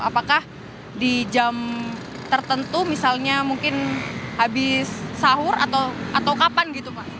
apakah di jam tertentu misalnya mungkin habis sahur atau kapan gitu pak